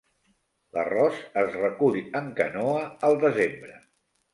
L'arròs es recull en canoa al desembre.